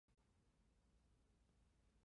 蓝图已经绘就，奋进正当时。